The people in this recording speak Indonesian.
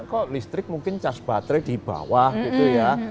kok listrik mungkin cash baterai di bawah gitu ya